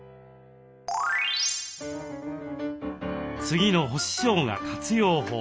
次の干ししょうが活用法。